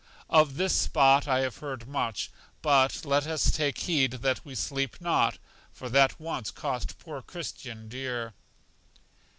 Of this spot I have heard much, but let us take heed that we sleep not, for that once cost poor Christian dear.